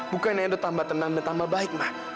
bukan edo tambah tenang dan tambah baik ma